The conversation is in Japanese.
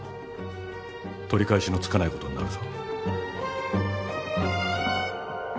取り返しのつかないことになるぞ。